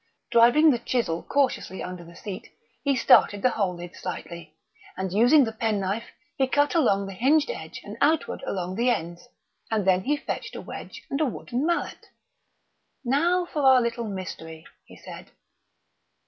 Driving the chisel cautiously under the seat, he started the whole lid slightly. Again using the penknife, he cut along the hinged edge and outward along the ends; and then he fetched a wedge and a wooden mallet. "Now for our little mystery " he said.